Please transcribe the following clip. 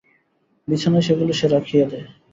বিছানায় সেগুলি সে রাখিয়া দেয়।